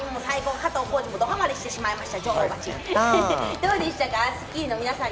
加藤浩次もドハマリしてしまいました。